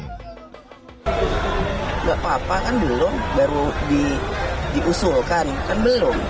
tidak apa apa kan belum baru diusulkan kan belum